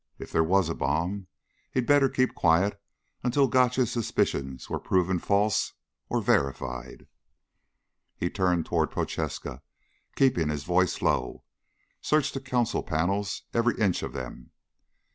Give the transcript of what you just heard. If there was a bomb, he'd better keep quiet until Gotch's suspicions were proven false or verified. He turned toward Prochaska, keeping his voice low. "Search the console panels every inch of them."